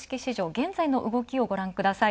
現在の動きをごらんください。